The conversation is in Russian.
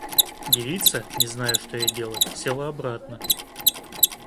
Девица, не зная, что ей делать, села обратно.